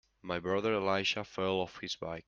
My brother Elijah fell off his bike.